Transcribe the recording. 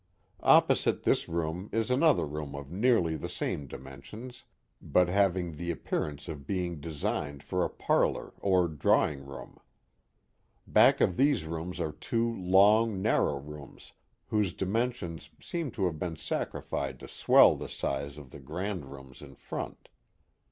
Opposite this room is another room of nearly the same dimensions, but having the appearance of be ing designed for a parlor or drawing room. Back of these rooms are two long, narrow rooms whose dimensions seem to have been sacrificed to swell the size of the grand rooms in front.